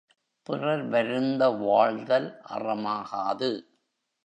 பிறர் வருந்த வாழ்தல் அறமாகாது.